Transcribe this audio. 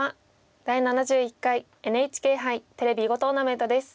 「第７１回ＮＨＫ杯テレビ囲碁トーナメント」です。